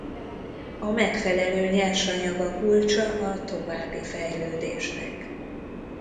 A megfelelő nyersanyag a kulcsa a további fejlődésnek.